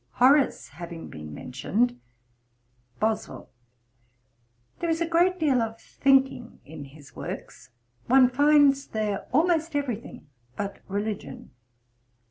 Horace having been mentioned; BOSWELL. 'There is a great deal of thinking in his works. One finds there almost every thing but religion.'